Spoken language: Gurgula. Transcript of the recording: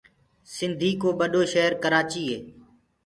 سنٚڌي ڪو ٻڏو شير ڪرآچيٚ ڪينٚدآئينٚ